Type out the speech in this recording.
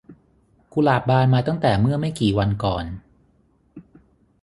กุหลาบบานมาตั้งแต่เมื่อไม่กี่วันก่อน